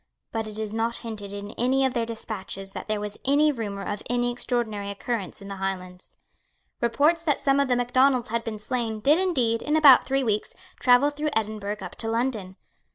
But it is not hinted in any of their despatches that there was any rumour of any extraordinary occurrence in the Highlands. Reports that some of the Macdonalds had been slain did indeed, in about three weeks, travel through Edinburgh up to London.